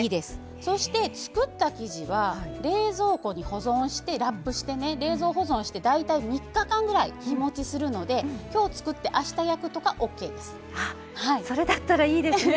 そして、作った生地は冷蔵庫に保存してラップして大体３日間ぐらい日もちするので、きょう作ってそれだったらいいですね。